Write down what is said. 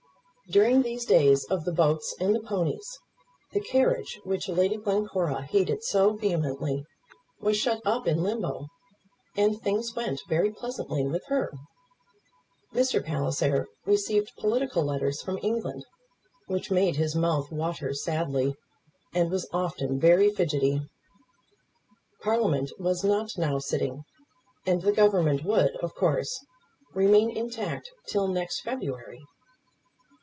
During these days of the boats and the ponies, the carriage which Lady Glencora hated so vehemently was shut up in limbo, and things went very pleasantly with her. Mr. Palliser received political letters from England, which made his mouth water sadly, and was often very fidgety. Parliament was not now sitting, and the Government would, of course, remain intact till next February.